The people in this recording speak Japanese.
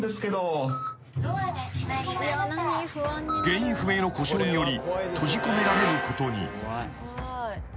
［原因不明の故障により閉じ込められることに］